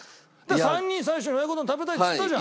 ３人最初親子丼食べたいっつったじゃん。